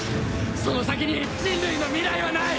その先に人類の未来はない！